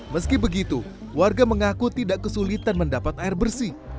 meski begitu warga mengaku tidak kesulitan mendapat air bersih